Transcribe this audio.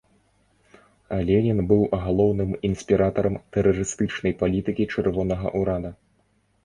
Ленін быў галоўным інспіратарам тэрарыстычнай палітыкі чырвонага ўрада.